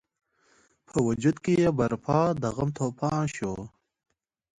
په وجود کې یې برپا د غم توپان شو.